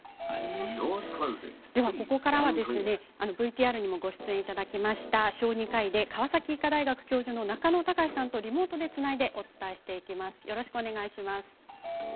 では、ここからはＶＴＲにもご出演いただきました小児科医で川崎医科大学教授の中野貴司さんとリモートでつないでお伝えしていきます。